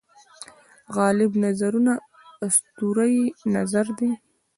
غالب نظر اسطوره یي نظر دی.